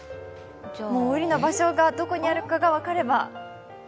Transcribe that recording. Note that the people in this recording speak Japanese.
ウリの場所がどこにあるか分かれば。